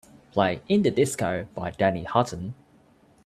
play In The Disco by Danny Hutton